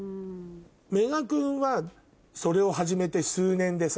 メガ君はそれを始めて数年でさ